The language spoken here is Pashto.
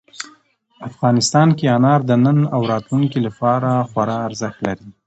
افغانستان کې انار د نن او راتلونکي لپاره خورا ارزښت لري.